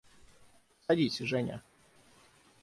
– Садись, Женя.